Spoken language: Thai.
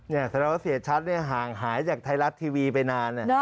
แสดงว่าเศรษฐ์ชัดห่างหายจากไทยรัฐทีวีไปนาน